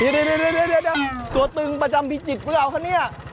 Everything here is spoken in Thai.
เดี๋ยวตัวตึงประจำพิจิตรพวกเราคะเนี่ย